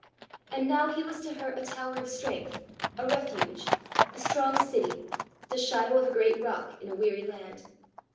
And now he was to her a tower of strength, a refuge, a strong city, the shadow of a great rock in a weary land.